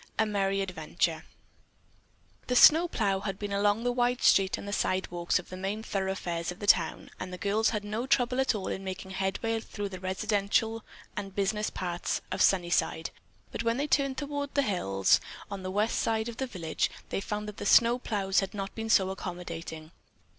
A MERRY ADVENTURE The snow plough had been along on the wide street and sidewalks of the main thoroughfares of the town and the girls had no trouble at all in making headway through the residential and business parts of Sunnyside, but when they turned toward the hills, on the west side of the village, they found that the snow ploughs had not been so accommodating.